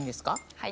はい。